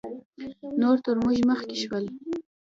نور تر موږ مخکې شول